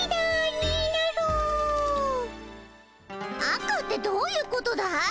赤ってどういうことだい？